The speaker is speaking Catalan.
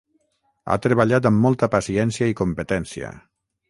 ha treballat amb molta paciència i competència